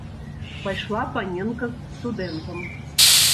Пайшла паненка з студэнтам.